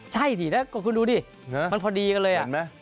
ใช่สินะคุณดูดิมันพอดีกันเลยอ่ะ